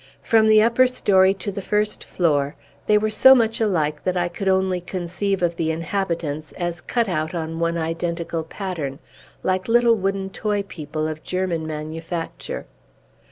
From the upper story to the first floor, they were so much alike, that I could only conceive of the inhabitants as cut out on one identical pattern, like little wooden toy people of German manufacture.